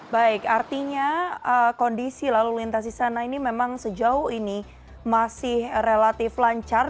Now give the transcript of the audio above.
baik artinya kondisi lalu lintas di sana ini memang sejauh ini masih relatif lancar